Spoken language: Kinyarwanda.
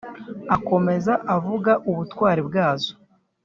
akomeza avuga ubutwari bwazo